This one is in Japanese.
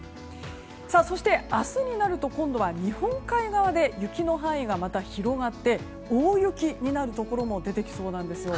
そして、明日になると今度は日本海側で雪の範囲が広がって大雪になるところも出てきそうです。